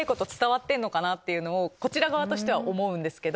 こちら側としては思うんですけど。